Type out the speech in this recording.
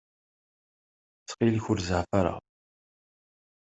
Ttxil-k, ur zeɛɛef ara.